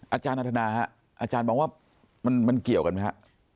อาจารย์อัธนาฮะอาจารย์มองว่ามันเกี่ยวกันไหมฮะ